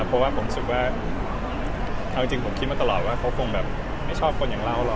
ผมคิดว่าทั้งจริงผมคิดมาตลอดว่าเค้าก็คงไม่ชอบคนอย่างเราหรอก